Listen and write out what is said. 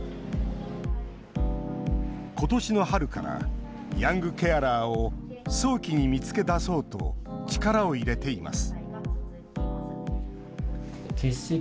ことしの春からヤングケアラーを早期に見つけ出そうと力を入れています